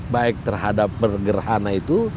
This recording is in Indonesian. baik terhadap pergerhana itu